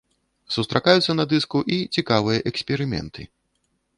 Сустракаюцца на дыску і цікавыя эксперыменты.